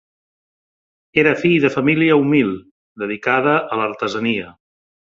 Era fill de família humil, dedicada a l'artesania.